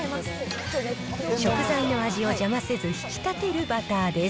食材の味を邪魔せず引き立てるバターです。